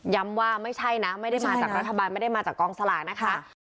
ว่าไม่ใช่นะไม่ได้มาจากรัฐบาลไม่ได้มาจากกองสลากนะคะ